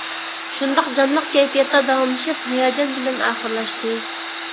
شۇنداق جانلىق كەيپىياتتا داۋاملىشىپ، ھاياجان بىلەن ئاخىرلاشتى.